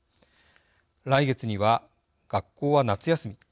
来月には学校は夏休み。